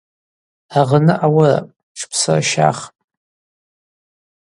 Агъны ауырапӏ – тшпсырщахпӏ.